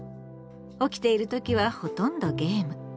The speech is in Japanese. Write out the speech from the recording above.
起きている時はほとんどゲーム。